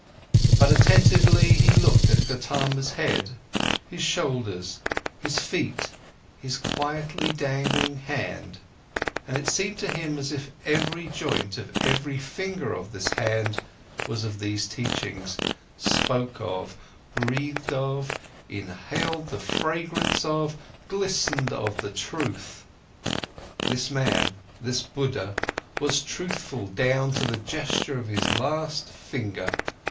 But attentively he looked at Gotama's head, his shoulders, his feet, his quietly dangling hand, and it seemed to him as if every joint of every finger of this hand was of these teachings, spoke of, breathed of, exhaled the fragrant of, glistened of truth. This man, this Buddha was truthful down to the gesture of his last finger.